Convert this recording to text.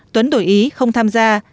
tuấn đổi ý không tham gia